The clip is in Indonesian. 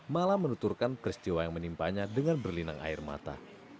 mala menuturkan keris jiwa yang menimpanya dengan berlinang air mata